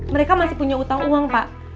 mereka masih punya utang uang pak